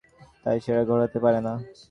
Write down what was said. তাই সেটা ঘটতে পারে না।